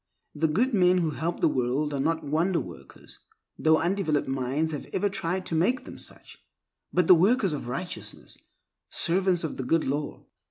The good men who help the world are not wonder workers, though undeveloped minds have ever tried to make them such—but the workers of righteousness, servants of the Good Law.